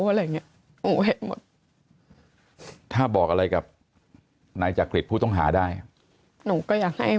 อะไรนี้ถ้าบอกอะไรกับนายจักริตผู้ต้องหาได้หนูก็อยากให้